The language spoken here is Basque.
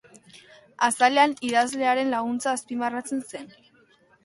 Azalean idazlearen laguntza azpimarratzen zen.